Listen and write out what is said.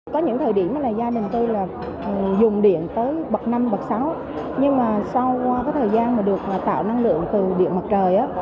có những thời điểm là gia đình tôi dùng điện tới bậc năm bậc sáu nhưng mà sau thời gian mà được tạo năng lượng từ điện mặt trời